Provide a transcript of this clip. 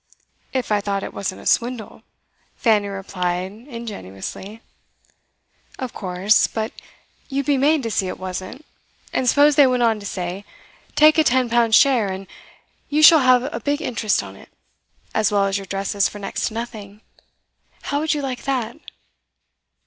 'If I thought it wasn't a swindle,' Fanny replied ingenuously. 'Of course. But you'd be made to see it wasn't. And suppose they went on to say: Take a ten pound share, and you shall have a big interest on it, as well as your dresses for next to nothing. How would you like that?